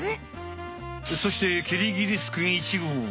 そしてキリギリスくん１号は。